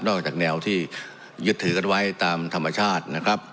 จากแนวที่ยึดถือกันไว้ตามธรรมชาตินะครับ